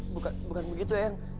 bukan bukan begitu ya yang